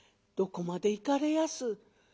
「どこまで行かれやす？」。